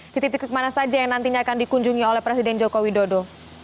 di titik titik mana saja yang nantinya akan dikunjungi oleh presiden jokowi dodo